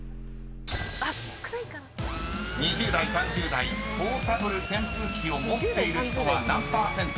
［２０代３０代ポータブル扇風機を持っている人は何％か？］